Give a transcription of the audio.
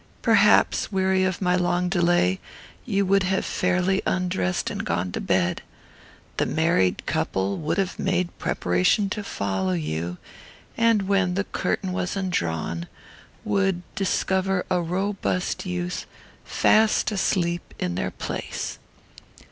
Perhaps, weary of my long delay, you would have fairly undressed and gone to bed. The married couple would have made preparation to follow you, and, when the curtain was undrawn, would discover a robust youth, fast asleep, in their place.